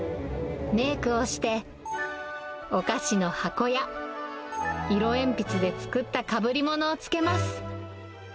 メークをして、お菓子の箱や色鉛筆で作ったかぶりものをつけます。